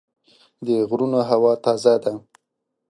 د غرونو هوا تازه ده.